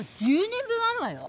１０年分あるわよ！